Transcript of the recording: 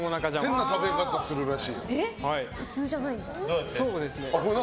変な食べ方するらしい。